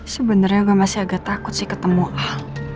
sebenarnya gue masih agak takut sih ketemu lah